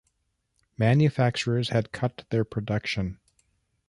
The manufacturers had cut their production.